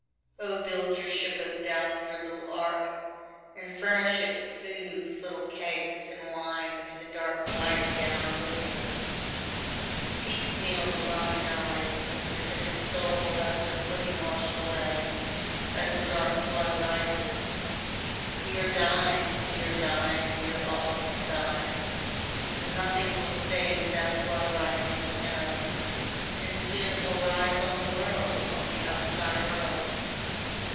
Oh build your ship of death, your little ark and furnish it with food, with little cakes, and wine for the dark flight down oblivion. VI Piecemeal the body dies, and the timid soul has her footing washed away, as the dark flood rises. We are dying, we are dying, we are all of us dying and nothing will stay the death flood rising within us and soon it will rise on the world, on the outside world.